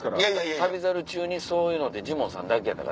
『旅猿』中にそういうのってジモンさんだけやったから。